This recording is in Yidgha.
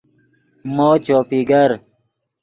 مو چوپی گر